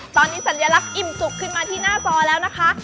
ตอนนี้สัญลักษณ์อิ่มจุกขึ้นมาที่หน้าจอแล้วนะคะ